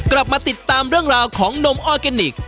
กลับมาติดตามเรื่องราวของนมออร์แกนิค